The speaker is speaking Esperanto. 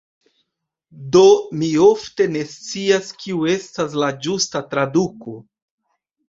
Do mi ofte ne scias, kiu estas la ĝusta traduko.